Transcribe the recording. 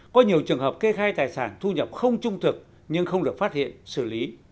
có nhiều trường hợp kê khai tài sản thu nhập không trung thực nhưng không được phát hiện xử lý